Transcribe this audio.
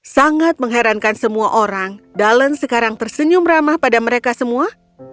sangat mengherankan semua orang dalen sekarang tersenyum ramah pada mereka semua